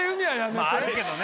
まああるけどね。